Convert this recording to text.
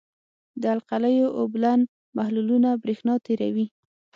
د القلیو اوبلن محلولونه برېښنا تیروي.